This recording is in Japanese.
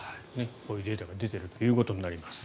こういうデータが出ているということになります。